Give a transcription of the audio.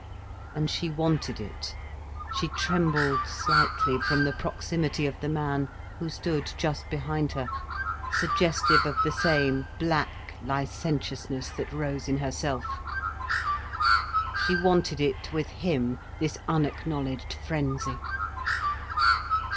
And she wanted it, she trembled slightly from the proximity of the man, who stood just behind her, suggestive of the same black licentiousness that rose in herself. She wanted it with him, this unacknowledged frenzy.